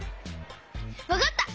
わかった！